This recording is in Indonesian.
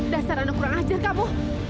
dasar anak kurang ajar kamu